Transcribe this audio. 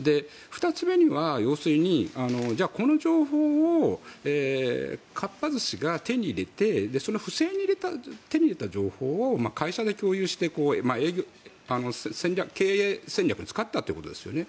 ２つ目には要するにじゃあこの情報をかっぱ寿司が手に入れてその不正に手に入れた情報を会社で共有して経営戦略に使ったということですよね。